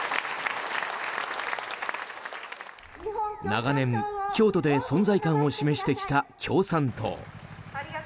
長年、京都で存在感を示してきた共産党。